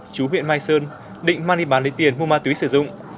chú huyện mai sơn định mang đi bán lấy tiền mua ma túy sử dụng